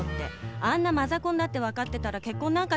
あんなマザコンだって分かってたら結婚なんかしなかったわよ。